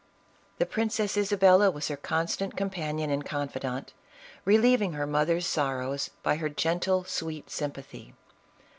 The Princess Isabella was her constant com panion and confidant, relieving her mother's sorrows by her gentle, sweet sympathy.